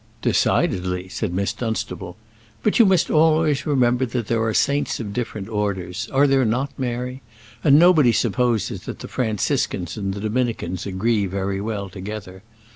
"Decidedly," said Miss Dunstable. "But you must always remember that there are saints of different orders; are there not, Mary? and nobody supposes that the Franciscans and the Dominicans agree very well together.